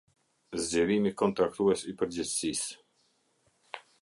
Zgjerimi kontraktues i përgjegjësisë.